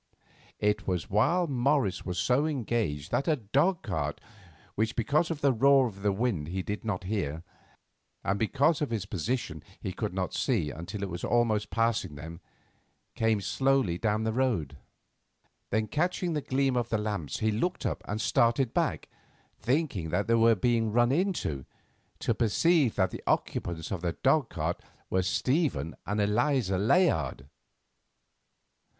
It was while Morris was so engaged that a dog cart, which because of the roar of the wind he did not hear, and because of his position he could not see until it was almost passing them, came slowly down the road. Then catching the gleam of the lamps he looked up and started back, thinking that they were being run into, to perceive that the occupants of the dog cart were Stephen and Eliza Layard.